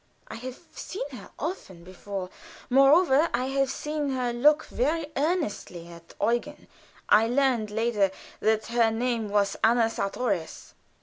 I have seen her often before moreover, I have seen her look very earnestly at Eugen. I learned later that her name was Anna Sartorius.